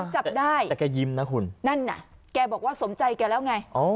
จับได้แต่แกยิ้มนะคุณนั่นน่ะแกบอกว่าสมใจแกแล้วไง